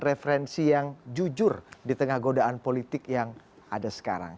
referensi yang jujur di tengah godaan politik yang ada sekarang